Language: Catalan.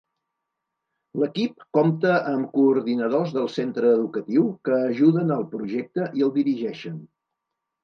L’equip compta amb coordinadors del centre educatiu que ajuden al projecte i el dirigeixen.